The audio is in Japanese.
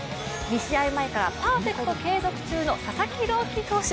２試合前からパーフェクト継続中の佐々木朗希投手。